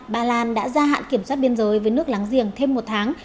ba lan đã gia hạn kiểm soát biên giới với nước láng giềng thêm một tháng